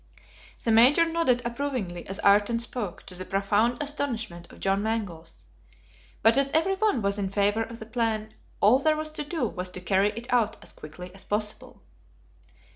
The Major nodded approvingly as Ayrton spoke, to the profound astonishment of John Mangles; but as every one was in favor of the plan all there was to do was to carry it out as quickly as possible.